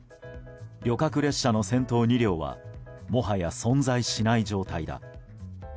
旅客列車の先頭２両はもはや存在しない状態だ。